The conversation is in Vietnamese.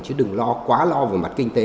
chứ đừng lo quá lo về mặt kinh tế